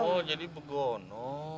oh jadi begono